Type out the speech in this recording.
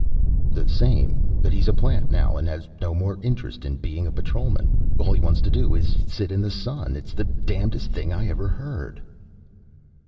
"The same, that he's a plant now, and has no more interest in being a Patrolman. All he wants to do is sit in the sun. It's the damnedest thing I ever heard."